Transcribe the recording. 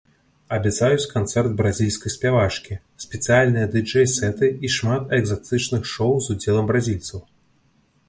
Абяцаюць канцэрт бразільскай спявачкі, спецыяльныя дыджэй-сэты і шмат экзатычных шоу з удзелам бразільцаў.